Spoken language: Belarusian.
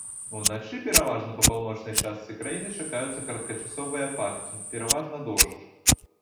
Уначы пераважна па паўночнай частцы краіны чакаюцца кароткачасовыя ападкі, пераважна дождж.